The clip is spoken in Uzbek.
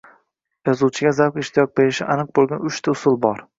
Yozuvchiga zavq-ishtiyoq berishi aniq boʻlgan uchta usul bor